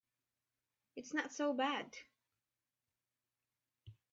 It's not so bad.